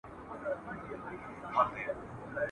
پر راتللو د زمري کورته پښېمان سو ..